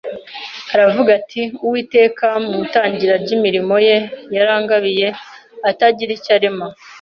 Aravuga ati: “Uwiteka mu itangira ry’imirimo ye yarangabiye, ataragira icyo arema.